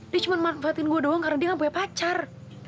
dia cuma manfaatin gue doang karena dia gak punya pacar